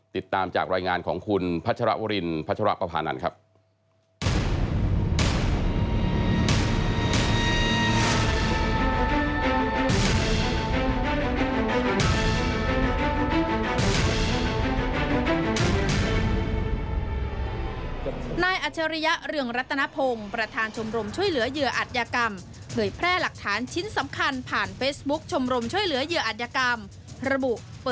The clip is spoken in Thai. ติดตามจากรายงานของคุณพัชรวรินพัชรปภานันทร์ครับ